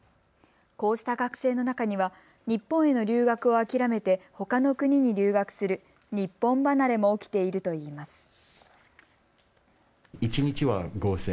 こうした学生の中には日本への留学を諦めてほかの国に留学する日本離れも起きているといいます。